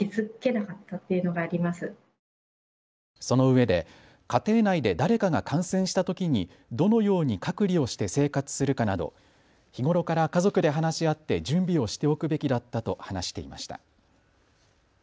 そのうえで家庭内で誰かが感染したときにどのように隔離をして生活するかなど日頃から家族で話し合って準備をしておくべきだったと話していました。